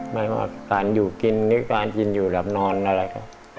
ไม่ว่าการอยู่กินหรือการกินอยู่หลับนอนอะไรก็